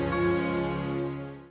bay gak tau